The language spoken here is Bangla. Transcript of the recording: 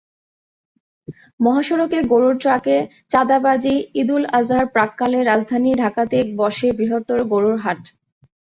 মহাসড়কে গরুর ট্রাকে চাঁদাবাজিঈদুল আজহার প্রাক্কালে রাজধানী ঢাকাতেই বসে বৃহত্তর গরুর হাট।